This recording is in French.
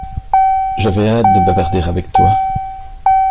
J’avais hâte de bavarder avec toi.